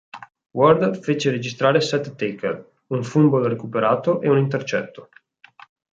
Ward fece registrare sette tackle, un fumble recuperato e un intercetto.